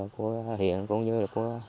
của hiện cũng như của